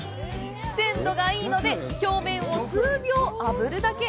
鮮度がいいので表面を数秒あぶるだけ。